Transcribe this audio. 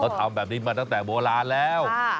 ทำแบบนี้มาตั้งแต่โบราณแล้ว